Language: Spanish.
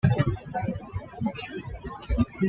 Riku Harada: Es la hermana mayor de Risa y su gemela.